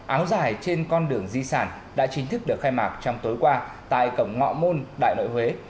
áo dài trên con đường di sản đã chính thức được khai mạc trong tối qua tại cổng ngọ môn đại nội huế